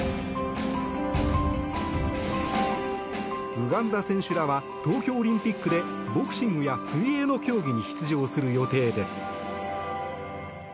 ウガンダ選手らは東京オリンピックでボクシングや水泳の競技に出場する予定です。